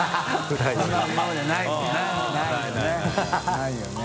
ないよね。